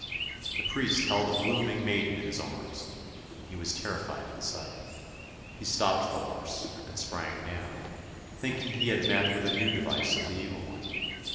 The priest held a blooming maiden in his arms, and he was terrified at the sight. He stopped the horse and sprang down, thinking he had met with a new device of the evil one.